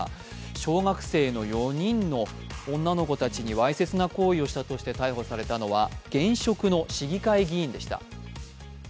小学生の４人の女の子たちにわいせつな行為をしたとして逮捕されたのは、現職の市議会議員でした。